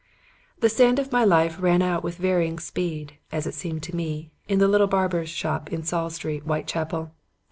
"The sand of my life ran out with varying speed as it seemed to me in the little barber's shop in Saul Street, Whitechapel.